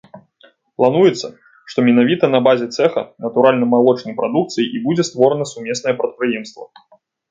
Плануецца, што менавіта на базе цэха натуральнамалочнай прадукцыі і будзе створана сумеснае прадпрыемства.